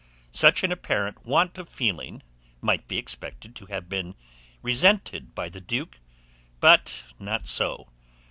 Such an apparent want of feeling might be expected to have been resented by the duke; but not so.